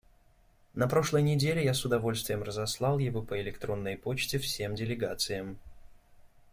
На прошлой неделе я с удовольствием разослал его по электронной почте всем делегациям.